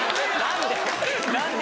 何で？